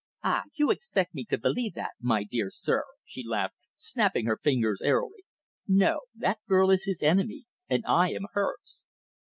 "Ah! You expect me to believe that, my dear sir," she laughed, snapping her fingers airily. "No, that girl is his enemy, and I am hers."